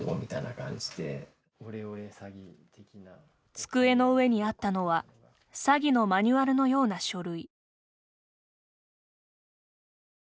机の上にあったのは詐欺のマニュアルのような書類。